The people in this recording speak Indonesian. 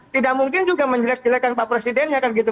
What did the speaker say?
tidak mungkin juga menjelaskan jelaskan pak presidennya kan gitu